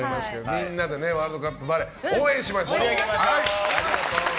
みんなでワールドカップバレー応援しましょう。